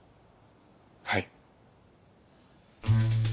はい。